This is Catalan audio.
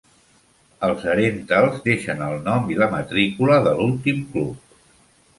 Els herentals deixen el nom i la matrícula de l'últim club.